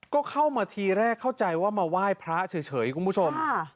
ก็เข้ามาทีแรกเข้าใจว่ามาไหว้พระเฉยคุณผู้ชม